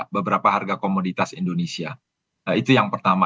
beberapa harga komoditas indonesia itu yang pertama